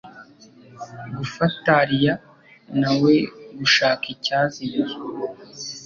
gufatariya nawe gushaka icyazimiye.